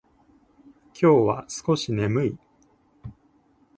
今日は少し眠い。